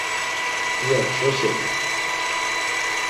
iya kyoselit.